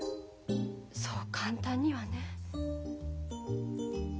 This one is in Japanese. そう簡単にはね。